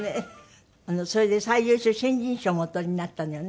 それで最優秀新人賞もおとりになったのよね。